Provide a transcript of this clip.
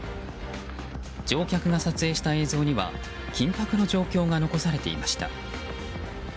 乗客が撮影した映像には緊迫の状況が残されていました。